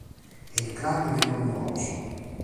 È il clan meno numeroso.